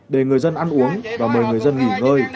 để người dân ăn uống và mời người dân nghỉ ngơi